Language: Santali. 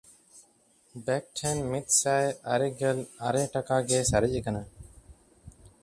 ᱵᱮᱠ ᱴᱷᱮᱱ ᱢᱤᱫᱥᱟᱭ ᱟᱨᱮ ᱜᱮᱞ ᱟᱨᱮ ᱴᱟᱠᱟ ᱜᱮ ᱥᱟᱨᱮᱡ ᱠᱟᱱᱟ᱾